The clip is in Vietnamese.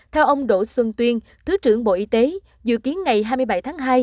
theo ông đỗ xuân tuyên thứ trưởng bộ y tế dự kiến ngày hai mươi bảy tháng hai